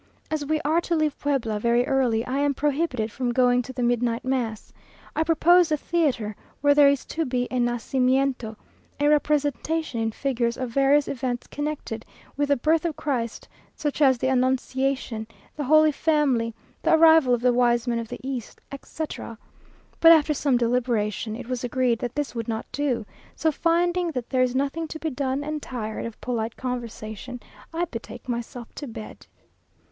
As we are to leave Puebla very early, I am prohibited from going to the midnight mass. I proposed the theatre, where there is to be a Nacimiento, a representation in figures of various events connected with the Birth of Christ; such as the Annunciation, the Holy Family, the Arrival of the Wise Men of the East, etc. But after some deliberation, it was agreed that this would not do; so finding that there is nothing to be done, and tired of polite conversation, I betake myself to bed.